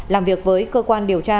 làm việc với cơ quan điều tra